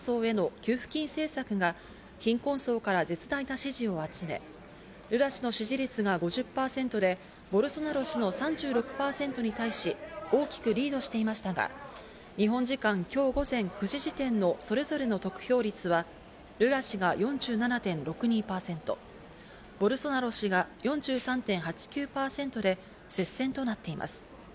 直前の世論調査ではルラ氏が掲げる低所得者層への給付金政策が貧困層から絶大な支持を集め、ルラ氏の支持率が５０％で、ボルソナロ氏の３６％に対し、大きくリードしていましたが、日本時間きょう午前９時時点のそれぞれの得票率はルラ氏が４７．６２％、ボルソナロ氏が４３．８９％で接戦となっています。